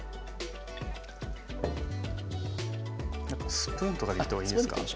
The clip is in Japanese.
スプーンとかでいった方がいいですか？